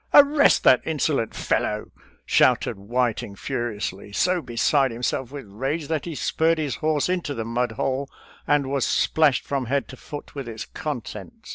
" Ar rest that insolent fellow !" shouted Whiting furi ously — so beside himself with rage that he spurred his horse into the mudhole and was splashed from head to foot with its contents.